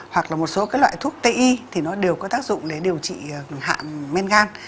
hoặc là một số các loại thuốc t i thì nó đều có tác dụng để điều trị hạng men gan